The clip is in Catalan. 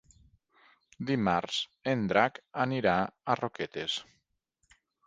Dimarts en Drac anirà a Roquetes.